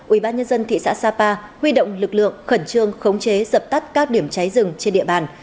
ủy ban nhân dân thị xã sapa huy động lực lượng khẩn trương khống chế dập tắt các điểm cháy rừng trên địa bàn